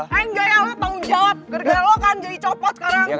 eh enggak ya lu tanggung jawab gara gara lu kan jadi copot sekarang